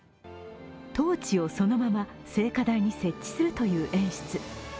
トーチをそのまま聖火台に設置するという演出。